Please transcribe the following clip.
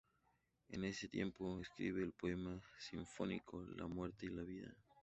En esa tiempo escribe el poema sinfónico ""La muerte y la vida"".